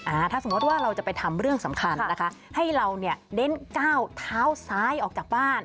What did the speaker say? อ่าถ้าสมมุติว่าเราจะไปทำเรื่องสำคัญนะคะให้เราเนี่ยเน้นก้าวเท้าซ้ายออกจากบ้าน